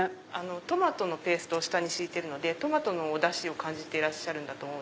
トマトのペーストを下に敷いてるのでトマトのおダシを感じてると思う。